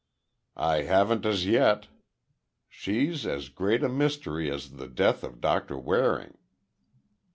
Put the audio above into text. "I haven't as yet. She's as great a mystery as the death of Doctor Waring."